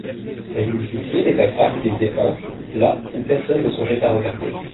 Elle multipliait les agrafes et les épingles là où personne ne songeait à regarder.